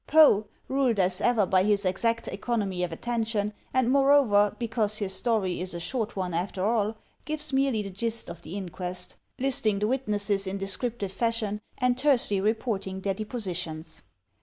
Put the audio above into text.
Poe, ruled as ever by his exact economy of attention, and moreover, because his story is a short one after all, gives merely the gist of the inquest; listing the witnesses in de scriptive fashion and tersely reporting their depositions.